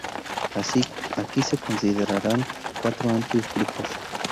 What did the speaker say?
Aquí se considerarán cuatro amplios grupos.